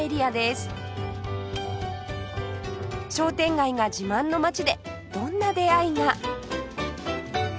商店街が自慢の街でどんな出会いが？